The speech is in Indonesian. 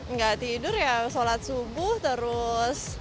nggak tidur ya sholat subuh terus